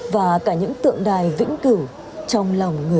và cả những tượng đài vĩnh cửu trong lòng người